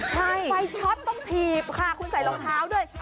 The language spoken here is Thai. ไฟช็อตต้องถีบค่ะคุณใส่รองเท้าด้วย